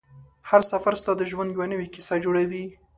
هر سفر ستا د ژوند یوه نوې کیسه جوړوي